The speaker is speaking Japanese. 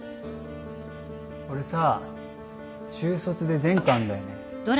俺さ中卒で前科あんだよね。